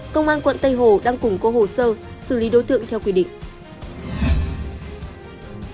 công an quận tây hồ đang củng cố hồ sơ xử lý đối tượng theo quy định